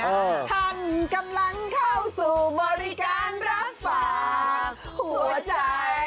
ท่านกำลังเข้าสู่บริการรับฝากหัวใจ